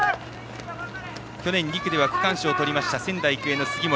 去年２区では区間賞をとりました仙台育英の杉森。